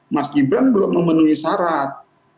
mas gibran belum memenuhi syarat